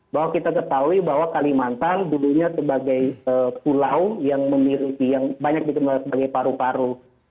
bahwa kita ketahui bahwa kalimantan dulunya sebagai pulau yang banyak dikenal sebagai paru paru